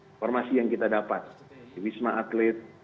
informasi yang kita dapat di wisma atlet